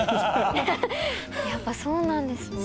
やっぱそうなんですね。